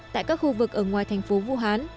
tại các khu vực ở ngoài thành phố vũ hán